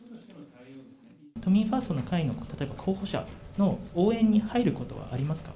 都民ファーストの会のことで、候補者の応援に入ることはありますか？